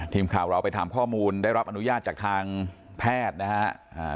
ทีมข่าวเราไปถามข้อมูลได้รับอนุญาตจากทางแพทย์นะครับ